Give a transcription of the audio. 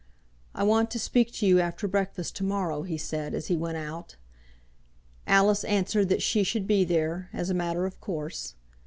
"I want to speak to you after breakfast to morrow," he said as he went out. Alice answered that she should be there, as a matter of course.